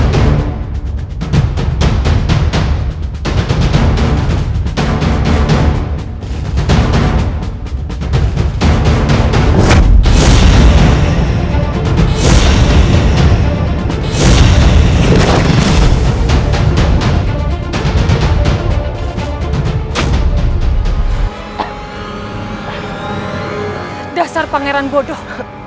sekalikan sampai allah